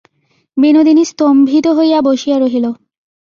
বিনোদিনী স্তম্ভিত হইয়া বসিয়া রহিল।